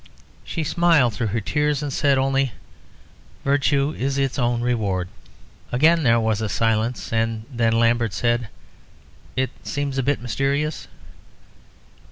She smiled through her tears, and said only, 'Virtue is its own reward.'" Again there was a silence, and then Lambert said "It seems a bit mysterious."